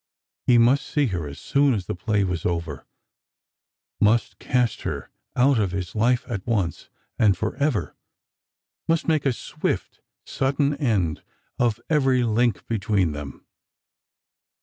He must see her as soon as the play was over, must cast her out of his life at once and for ever, must make a swift sudden end of every link between them.